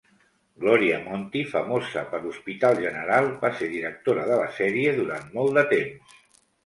Gloria Monty, famosa per "Hospital General", va ser directora de la sèrie durant molt de temps.